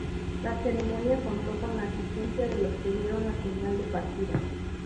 La ceremonia contó con la asistencia de los que dieron la señal de partida.